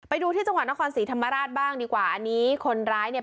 ไปดูที่จังหวัดนครศรีธรรมราชบ้างดีกว่าอันนี้คนร้ายเนี่ย